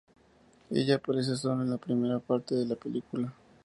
Ella aparece solo en la primera parte de la película.